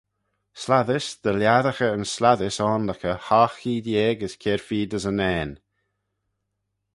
Slattys dy lhiassaghey yn slattys oanluckey hoght keead yeig as kiare feed as unnane.